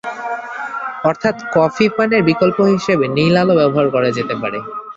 অর্থাত্, কফি পানের বিকল্প হিসেবে নীল আলো ব্যবহার করা যেতে পারে।